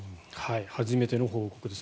初めての報告です。